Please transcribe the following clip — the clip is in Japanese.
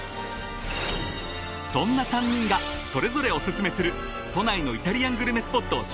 ［そんな３人がそれぞれおすすめする都内のイタリアングルメスポットを紹介］